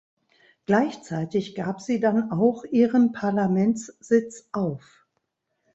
Gleichzeitig gab sie dann auch ihren Parlamentssitz auf.